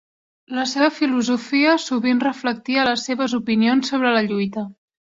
La seva filosofia sovint reflectia les seves opinions sobre la lluita.